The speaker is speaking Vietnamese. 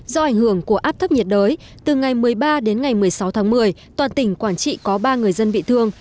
do ảnh hưởng của áp thấp nhiệt đới từ ngày một mươi ba đến ngày một mươi sáu tháng một mươi toàn tỉnh quảng trị có ba người dân bị thương